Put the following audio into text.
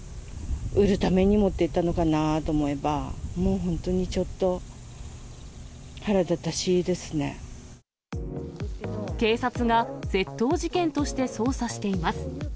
売るために持っていったのかなと思えば、もう本当にちょっと、警察が窃盗事件として捜査しています。